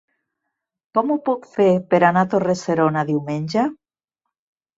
Com ho puc fer per anar a Torre-serona diumenge?